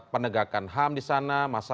penegakan ham di sana